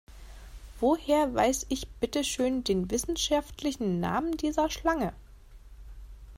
Woher weiß ich bitteschön den wissenschaftlichen Namen dieser Schlange?